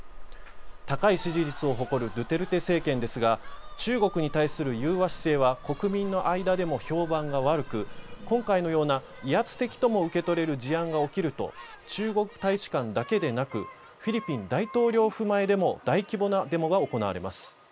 高い支持率を誇るドゥテルテ政権ですが中国に対する融和姿勢は国民の間でも評判が悪く今回のような威圧的とも受け取れる事案が起きると中国大使館だけでなくフィリピン大統領府前でも大規模なデモが行われます。